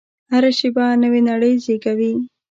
هره شېبه نوې نړۍ زېږوي.